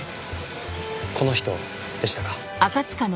この人でしたか？